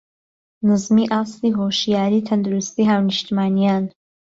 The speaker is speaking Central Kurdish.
نزمیی ئاستی هۆشیاریی تهندروستی هاونیشتیمانییان